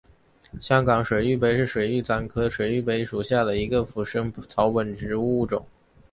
香港水玉杯是水玉簪科水玉杯属下的一个腐生草本植物物种。